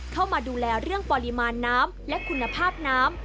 เข้ามาดูแลเรื่องปริมาณน้ำและคุณภาพน้ำ